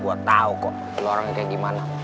gue tau kok lo orang kayak gimana